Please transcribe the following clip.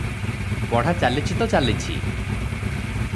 ପଢ଼ା ଚାଲିଛି ତ ଚାଲିଛି ।